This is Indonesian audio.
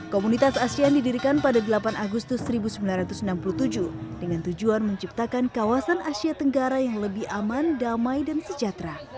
komunitas asean didirikan pada delapan agustus seribu sembilan ratus enam puluh tujuh dengan tujuan menciptakan kawasan asia tenggara yang lebih aman damai dan sejahtera